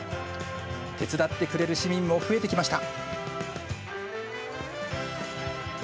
手伝ってくれる市民も増えてきました。